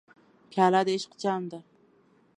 پیاله د عشق جام ده.